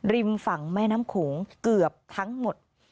ริมฝั่งแม่น้ำโขงเกือบทั้งหมด